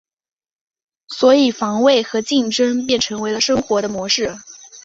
所以防卫和竞争便成为了生活的模式。